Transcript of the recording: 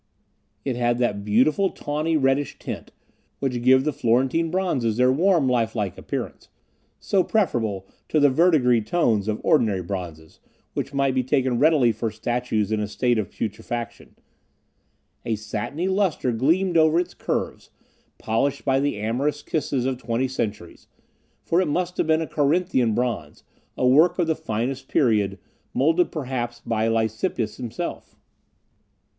It had that beautiful tawny reddish tint, which gives the Florentine bronzes their warm, life like appearance, so preferable to the verdigris tones of ordinary bronzes, which might be taken readily for statues in a state of putrefaction; a satiny luster gleamed over its curves, polished by the amorous kisses of twenty centuries; for it must have been a Corinthian bronze, a work of the finest period, molded perhaps by Lysippus himself.